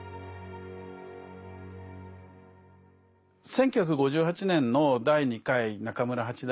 １９５８年の第２回中村八大